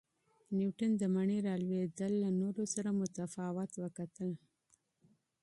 نیوټن د مڼې را لویدل له نورو سره متفاوت وکتل.